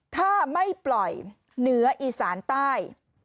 ถ้าไม่ปล่อยเหนืออีสานใต้